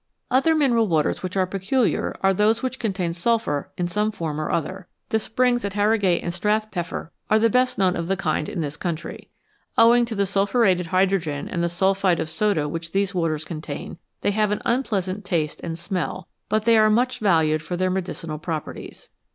Other mineral waters which are peculiar are those which contain sulphur in some form or other ; the springs at Harrogate and StrathpefFer are the best known of the kind in this country. Owing to the sulphuretted hydrogen and the sulphide of soda which these waters contain, they have an unpleasant taste and smell, but they are much valued for their medicinal properties.